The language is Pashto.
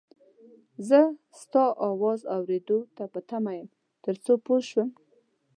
زه ستا اواز اورېدو ته په تمه یم تر څو پوی شم